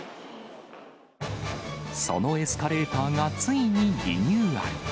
そのエスカレーターがついにリニューアル。